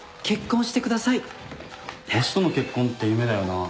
推しとの結婚って夢だよな。